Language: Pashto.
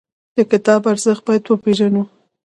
د کتاب ارزښت باید وپېژنو.